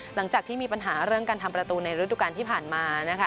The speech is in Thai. หลังจากที่มีปัญหาเรื่องการทำประตูในฤดูการที่ผ่านมานะคะ